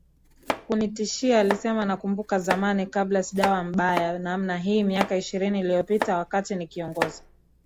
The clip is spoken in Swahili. kunitishia alisemaNakumbuka zamani kabla sijawa mbaya namna hii miaka ishirini iliyopita wakati nikiongoza